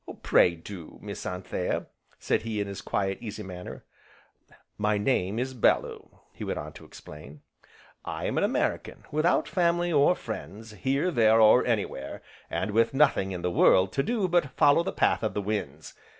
"Pray do, Miss Anthea," said he in his quiet, easy manner. "My name is Bellew," he went on to explain, "I am an American, without family or friends, here, there or anywhere, and with nothing in the world to do but follow the path of the winds.